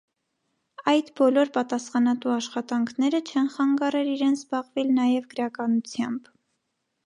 Այդ բոլոր պատասխանատու աշխատանքները չեն խանգարեր իրեն զբաղուիլ նաև գրականութեամբ։